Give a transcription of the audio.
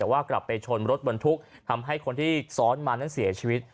แต่ว่ากลับไปชนรถบรรทุกทำให้คนที่ซ้อนมานั้นเสียชีวิต